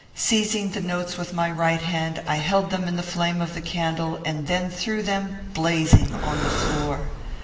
Seizing the notes with my right hand, I held them in the flame of the candle, and then threw them, blazing, on the floor.